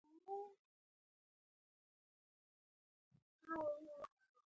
اوښ څوکه ده.